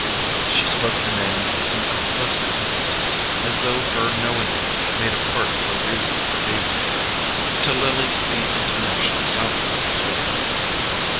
She spoke the name with an unpleasant emphasis, as though her knowing it made a part of her reason for being there. To Lily the intonation sounded like a threat.